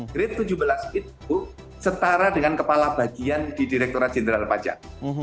grade tujuh belas itu setara dengan kepala bagian di direkturat jenderal pajak